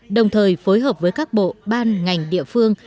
đồng thời phối hợp với các bộ ban ngành địa phương